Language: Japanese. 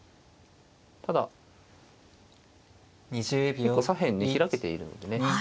ただ結構左辺ね開けているのでね。